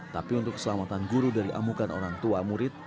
tapi untuk keselamatan guru dari amukan orang tua murid